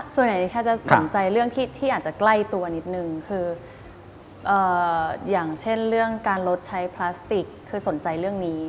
นิชาจะสนใจเรื่องที่อาจจะใกล้ตัวนิดนึงคืออย่างเช่นเรื่องการลดใช้พลาสติกคือสนใจเรื่องนี้